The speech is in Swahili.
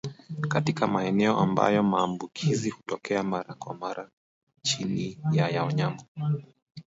Katika maeneo ambayo maambukizi hutokea mara kwa mara chini ya ya wanyama